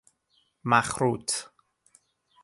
مخروط